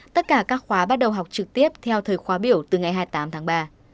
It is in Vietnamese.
tất cả các khóa bắt đầu học trực tiếp theo thời khóa biểu từ ngày hai mươi tám tháng ba